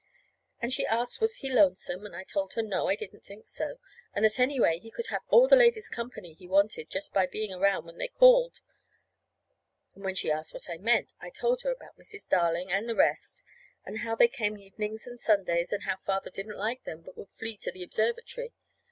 And she asked was he lonesome; and I told her no, I didn't think so; and that, anyway, he could have all the ladies' company he wanted by just being around when they called. And when she asked what I meant, I told her about Mrs. Darling, and the rest, and how they came evenings and Sundays, and how Father didn't like them, but would flee to the observatory.